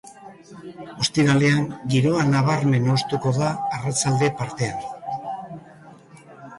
Ostiralean giroa nabarmen hoztuko da arratsalde partean.